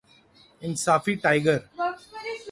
انصافی ٹائگر